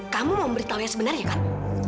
kamu memberitahu yang sebenarnya kan